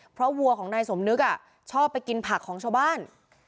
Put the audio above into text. เพราะวัวของนายสมนึกชอบไปกินผักของชาวบ้าน